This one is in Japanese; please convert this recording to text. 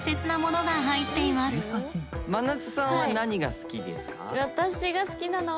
真夏さんは何が好きですか？